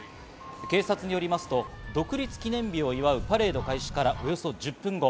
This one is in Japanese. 警察によりますと、独立記念日を祝うパレード開始からおよそ１０分後。